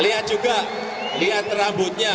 lihat juga lihat rambutnya